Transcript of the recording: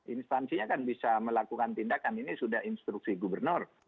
instansinya kan bisa melakukan tindakan ini sudah instruksi gubernur